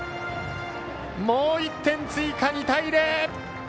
もう１点追加、２対０！